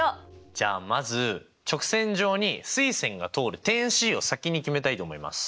じゃあまず直線上に垂線が通る点Ｃを先に決めたいと思います。